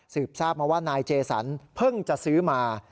ทราบมาว่านายเจสันเพิ่งจะซื้อมา